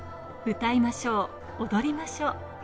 歌いましょう、踊りましょう。